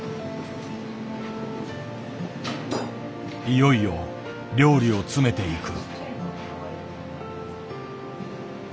いよいよ料理を詰めていく。